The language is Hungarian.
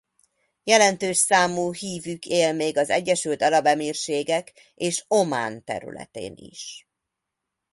Jelentős számú hívük él még az Egyesült Arab Emírségek és Omán területén is.